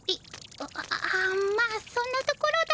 あああまあそんなところだ。